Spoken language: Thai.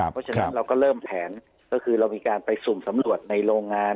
เพราะฉะนั้นเราก็เริ่มแผนก็คือเรามีการไปสุ่มสำรวจในโรงงาน